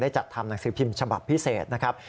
จัดทำหนังสือพิมพ์ฉบับพิเศษนะครับ